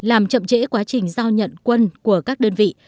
làm chậm trễ quá trình giao nhận quân của các đơn vị